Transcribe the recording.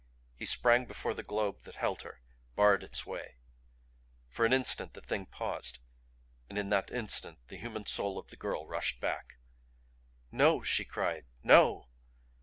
He sprang before the globe that held her; barred its way. For an instant the Thing paused and in that instant the human soul of the girl rushed back. "No!" she cried. "No!"